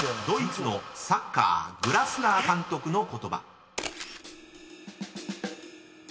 ［ドイツのサッカーグラスナー監督の言葉］